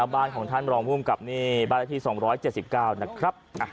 บ้านของท่านรองภูมิกับนี่บ้านละที่๒๗๙นะครับ